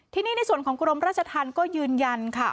ทีนี้ในส่วนของกรมราชธรรมก็ยืนยันค่ะ